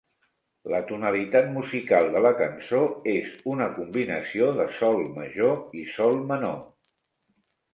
La tonalitat musical de la cançó és una combinació de sol major i sol menor.